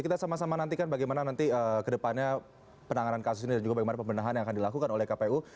kita sama sama nantikan bagaimana nanti kedepannya penanganan kasus ini dan juga bagaimana pembenahan yang akan dilakukan oleh kpu